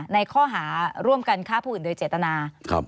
ในข้อหาร่วมกันฆ่าผู้อื่นโดยเจตนา